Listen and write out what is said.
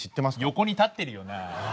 横に立ってるよなあ。